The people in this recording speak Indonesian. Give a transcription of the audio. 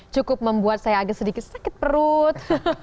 cukup membuat saya agak sedikit sakit perut